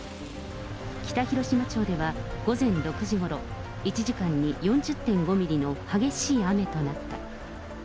北広島町では午前６時ごろ、１時間に４０．５ミリの激しい雨となった。